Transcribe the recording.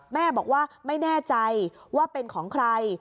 แม่บอกว่าไม่แน่ใจว่าเป็นของใคร